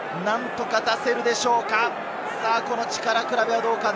なんとか出せるでしょうか？